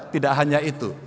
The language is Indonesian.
tidak hanya itu